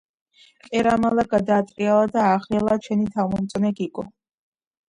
ყირამალა გადაატრიალა და ააღრიალა ჩვენი თავმომწონე გიგო.